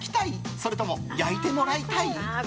それとも、焼いてもらいたい？